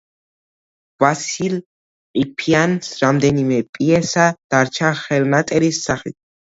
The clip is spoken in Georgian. ვასილ ყიფიანს რამდენიმე პიესა დარჩა ხელნაწერის სახით.